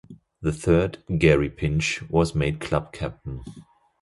The third, Gary Pinch, was made club captain.